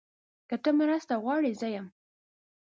که ته مرسته غواړې، زه یم.